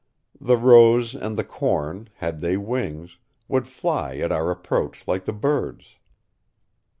The rose and the corn, had they wings, would fly at our approach like the birds.